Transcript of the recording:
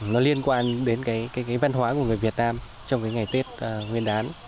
nó liên quan đến cái văn hóa của người việt nam trong cái ngày tết nguyên đán